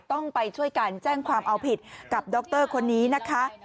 ต้องไปช่วยกันแจ้งความเอาผิดกับดรคนนี้นะคะ